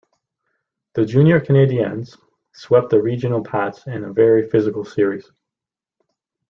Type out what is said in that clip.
The Junior Canadiens swept the Regina Pats in a very physical series.